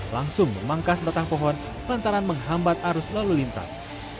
langsung memangkas batang pohon lantaran menghambat arus lalu lintas